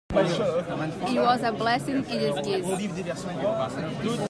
It was a blessing in disguise.